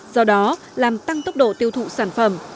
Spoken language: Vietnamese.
do đó làm tăng tốc độ tiêu thụ sản phẩm